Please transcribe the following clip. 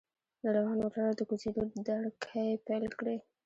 له روان موټره د کوزیدو دړکې پېل کړې.